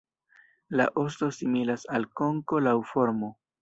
La osto similas al konko laŭ formo.